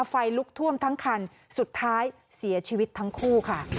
ไฟลุกท่วมทั้งคันสุดท้ายเสียชีวิตทั้งคู่ค่ะ